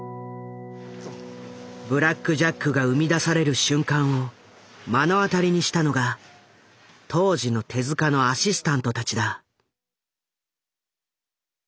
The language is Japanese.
「ブラック・ジャック」が生み出される瞬間を目の当たりにしたのが当時の手のアシスタントたちだ。